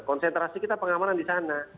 konsentrasi kita pengamanan di sana